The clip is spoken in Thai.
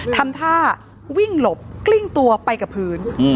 ทำท่าวิ่งหลบกลิ้งตัวไปกับพื้น